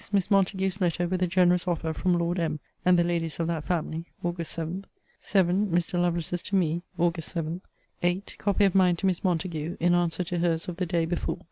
Miss Montague's letter, with a generous offer from Lord M. and the Ladies of that family ................. Aug. 7. 7. Mr. Lovelace's to me ........... Aug. 7. 8. Copy of mine to Miss Montague, in answer to her's of the day before